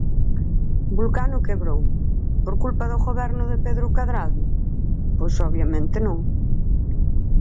Vulcano quebrou, ¿por culpa do Goberno de Pedro Cadrado?, pois obviamente non.